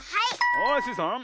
はいスイさん。